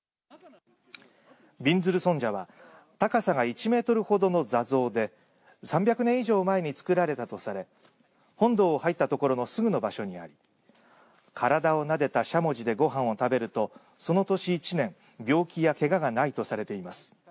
びんずる尊者は高さが１メートルほどの座像で３００年以上前に作られたとされ本堂入った所のすぐの場所にあり体をなでたしゃもじでご飯を食べるとその年、一年病気やけががないとされています。